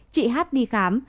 chị h đi khám